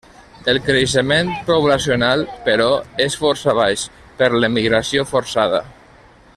El creixement poblacional, però, és força baix per l'emigració forçada.